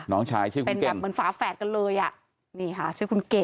น้องชายชื่อคุณเป็นแบบเหมือนฝาแฝดกันเลยอ่ะนี่ค่ะชื่อคุณเก๋